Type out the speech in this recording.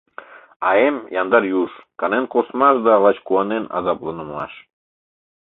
А эм — яндар юж, канен коштмаш да лач куанен азапланымаш.